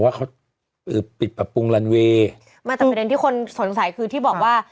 ว่าเขาปิดปรับปรุงลันเวย์ไม่แต่ประเด็นที่คนสงสัยคือที่บอกว่า